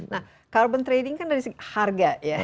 nah karbon trading kan dari segi harga